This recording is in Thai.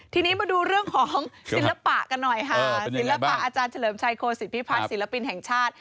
ทีนี้มาดูเรื่องของศิลปะกันหน่อยค่ะศิลปะอาจารย์เฉลิมชัยโคศิพิพัฒน์ศิลปินแห่งชาติ